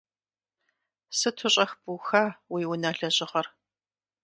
Сыту щӏэх быуха уи унэ лъэжьыгъэр.